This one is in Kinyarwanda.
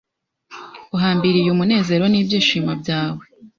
Uhambiriye umunezero nibyishimo byawe